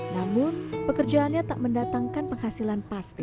namun pekerjaannya tak mendatangkan penghasilan pasti